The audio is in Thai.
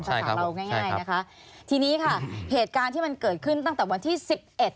ใช่ครับสาหรับเราง่ายนะครับทีนี้ค่ะเหตุการณ์ที่มันเกิดขึ้นตั้งตัววันที่สิบเอ็ด